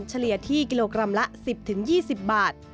เฉลี่ยที่กิโลกรัมละ๑๐๒๐บาท